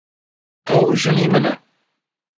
ئەو ژنی منە.